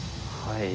はい。